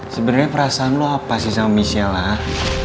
sebenernya perasaan lo apa sih sama michelle hah